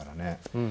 うん。